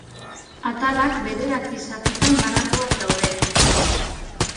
Atalak bederatzi zatitan banatuak daude.